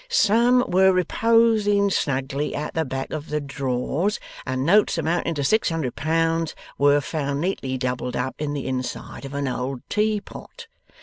'"Some were reposing snugly at the back of the drawers; and notes amounting to six hundred pounds were found neatly doubled up in the inside of an old teapot.